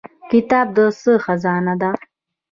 کتاب د څه خزانه ده؟